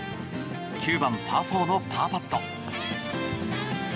９番、パー４のパーパット。